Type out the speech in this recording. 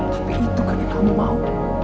tapi itu kan yang kamu mau